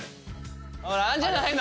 ほらあんじゃないの？